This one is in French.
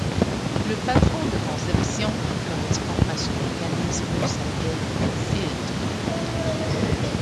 Le patron de conception qui correspond à ce mécanisme s'appelle le filtre.